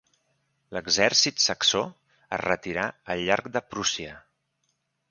L’exèrcit saxó es retirà al llarg de Prússia.